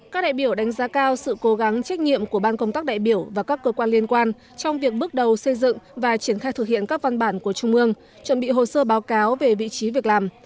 các đại biểu đánh giá cao sự cố gắng trách nhiệm của ban công tác đại biểu và các cơ quan liên quan trong việc bước đầu xây dựng và triển khai thực hiện các văn bản của trung ương chuẩn bị hồ sơ báo cáo về vị trí việc làm